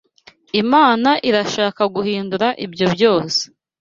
Imana irashaka guhindura ibyo byose